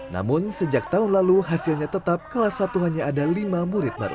namun sejak tahun lalu hasilnya tetap kelas satu hanya ada lima murid baru